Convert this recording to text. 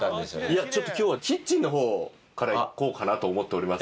いやちょっと今日はキッチンの方からいこうかなと思っております。